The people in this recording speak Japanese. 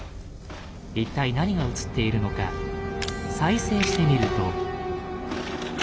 一体何が映っているのか再生してみると。